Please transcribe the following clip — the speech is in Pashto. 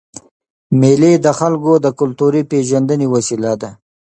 مېلې د خلکو د کلتوري پېژندني وسیله ده.